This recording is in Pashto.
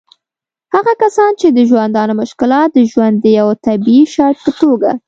هغه کسان چې د ژوندانه مشکلات د ژوند د یوه طبعي شرط په توګه